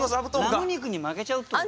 ラム肉に負けちゃうってこと？